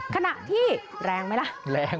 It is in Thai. ขณะที่แรงไหมล่ะแรง